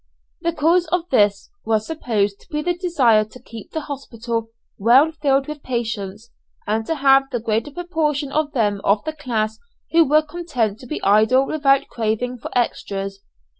The cause of this, was supposed to be the desire to keep the hospital well filled with patients, and to have the greater proportion of them of the class who were content to be idle without craving for "extras."